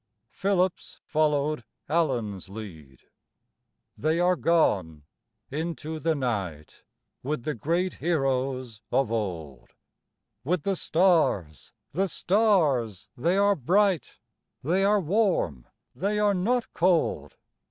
Philip's followed Alan's lead. They are gone into the night With the great heroes of old, With the stars, the stars they are bright ; They are warm ; they are not cold.